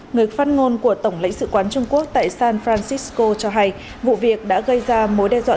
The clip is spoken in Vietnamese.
người phát ngôn của tổng lãnh sự quán trung quốc tại san francisco cho hay vụ việc đã gây ra mối đe dọa